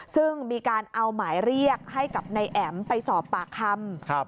ซึ่งมีการเอาหมายเรียกให้กับนายแอ๋มไปสอบปากคำ